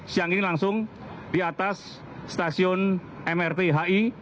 siang ini langsung di atas stasiun mrt hi